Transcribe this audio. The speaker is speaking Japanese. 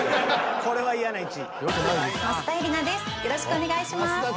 よろしくお願いします。